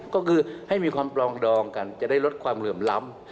ก็คือให้มีความปลองดองกันจะได้ลดความเหลื่อมล้ำ